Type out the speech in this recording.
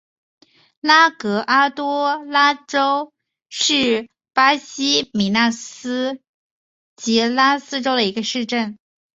拉戈阿多拉达是巴西米纳斯吉拉斯州的一个市镇。